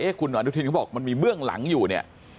คุณอนุทินเขาบอกมันมีเบื้องหลังอยู่เนี่ย